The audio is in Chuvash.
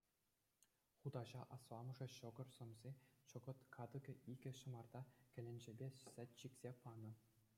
Хутаҫа асламӑшӗ ҫӑкӑр сӑмси, чӑкӑт катӑке, икӗ ҫӑмарта, кӗленчепе сӗт чиксе панӑ.